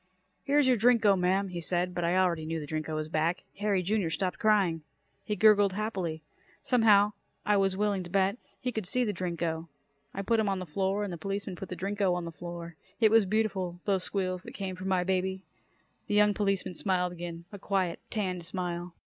"Here's your Drinko, ma'am," he said, but I already knew the Drinko was back. Harry, Jr., stopped crying. He gurgled happily. Somehow, I was willing to bet, he could see the Drinko. I put him on the floor and the policeman put the Drinko on the floor. It was beautiful, those squeals that came from my baby. The young policeman smiled again, a quiet, tanned smile.